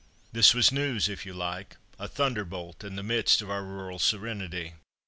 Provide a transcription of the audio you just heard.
This was news, if you like: a thunderbolt in the midst of our rural serenity.